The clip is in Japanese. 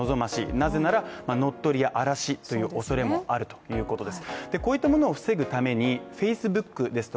なぜなら乗っ取り、荒らしという恐れもあるということです。